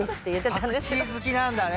パクチー好きなんだね。